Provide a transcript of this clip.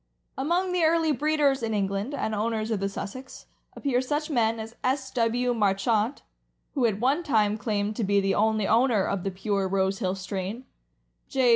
Among the early breeders (in England) and owners of the Sussex, appear such men as S. W. Marchant, who at one time claimed to be the only owner of the pure Rose hill strain; J.